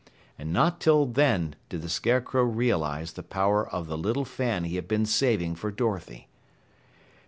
And not till then did the Scarecrow realize the power of the little fan he had been saving for Dorothy.